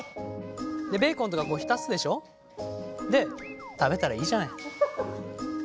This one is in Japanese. ベーコンとかこう浸すでしょ？で食べたらいいじゃない。